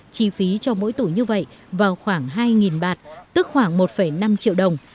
chi phí cho mỗi tủ như vậy vào khoảng hai bạt tức khoảng một năm triệu đồng